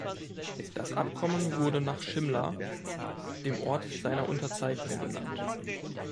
Das Abkommen wurde nach Shimla, dem Ort seiner Unterzeichnung, benannt.